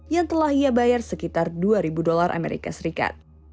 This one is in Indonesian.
yang telah ia bayar sekitar dua ribu dolar amerika serikat